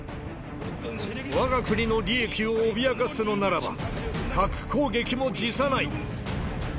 わが国の利益を脅かすのならば、核攻撃も辞さない。